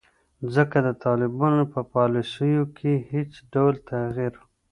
ځکه د طالبانو په پالیسیو کې هیڅ ډول تغیر